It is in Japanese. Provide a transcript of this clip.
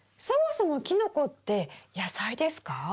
そもそもキノコって野菜ですか？